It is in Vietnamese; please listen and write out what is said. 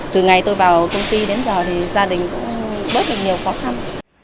từ ngày tôi vào công ty đến giờ thì gia đình cũng bớt được nhiều khó khăn